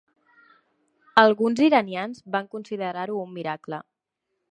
Alguns iranians van considerar-ho un miracle.